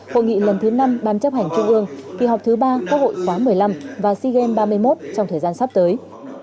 hội nghị lần thứ năm bàn chấp hành trung ương kỳ họp thứ ba có hội khóa một mươi năm và sigem ba mươi một trong thời gian sắp tới